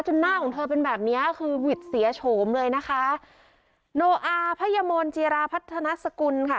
หน้าของเธอเป็นแบบเนี้ยคือหวิดเสียโฉมเลยนะคะโนอาพยมนจีราพัฒนสกุลค่ะ